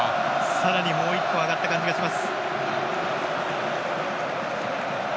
さらにもう一歩上がった感じがします。